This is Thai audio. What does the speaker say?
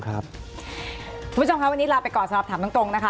คุณผู้ชมค่ะวันนี้ลาไปก่อนสำหรับถามตรงนะคะ